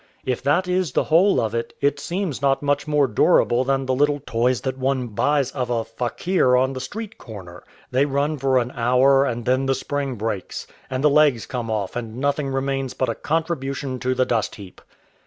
If that is the whole of it, it seems not much more durable than the little toys that one buys of a fakir on the street corner. They run for an hour, and then the spring breaks, and the legs come off, and nothing remains but a contribution to the dust heap.